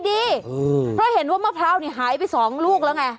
เพราะเห็นว่ามะพร้าวนี่หายไปสองลูกแล้วไง